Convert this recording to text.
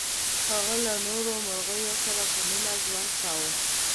هغه له نورو مرغیو سره په مینه ژوند کاوه.